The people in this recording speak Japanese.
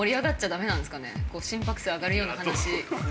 心拍数上がるような話。